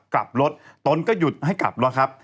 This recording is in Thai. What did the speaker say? กลับรถตนก็หยุดให้กลับแล้วครับ